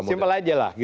simple aja lah